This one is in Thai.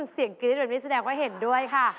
เสียงกรี๊ดแบบนี้แสดงว่าเห็นด้วยค่ะ